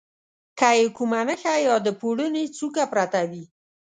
که یې کومه نخښه یا د پوړني څوکه پرته وه.